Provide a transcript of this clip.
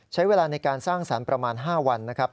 ใช้เวลาในการสร้างสรรค์ประมาณ๕วันนะครับ